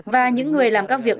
và những người làm các việc